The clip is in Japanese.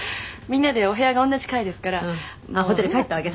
「みんなでお部屋が同じ階ですから」「ホテル帰ったわけ？」